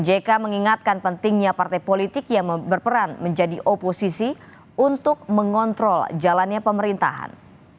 jk mengingatkan pentingnya partai politik yang berperan menjadi oposisi untuk mengontrol jalannya pemerintahan